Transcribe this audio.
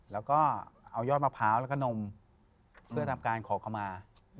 แล้วก็เอายอดมะพร้าวแล้วก็นมเพื่อทำการขอขมา